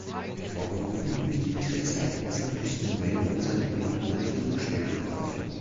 Hervorgerufen durch die Kriegsereignisse mussten Rave und seine Kollegen manche Rückschläge verkraften.